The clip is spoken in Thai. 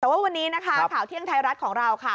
แต่ว่าวันนี้นะคะข่าวเที่ยงไทยรัฐของเราค่ะ